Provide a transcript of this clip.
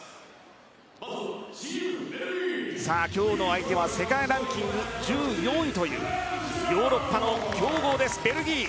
今日の相手は世界ランキング１４位というヨーロッパの強豪です、ベルギー。